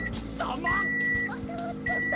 また会っちゃった。